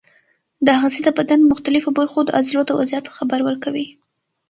دا آخذې د بدن د مختلفو برخو د عضلو د وضعیت خبر ورکوي.